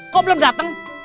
kok belum dateng